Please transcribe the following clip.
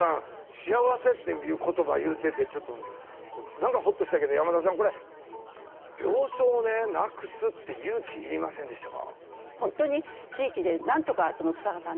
幸せっていう言葉言うててちょっと何かほっとしたけど山田さんこれ病床をなくすって勇気いりませんでしたか？